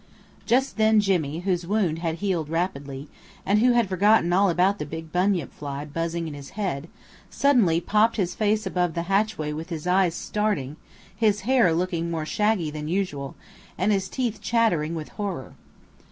Just then Jimmy, whose wound had healed rapidly, and who had forgotten all about the big bunyip fly buzzing in his head, suddenly popped his face above the hatchway with his eyes starting, his hair looking more shaggy than usual, and his teeth chattering with horror.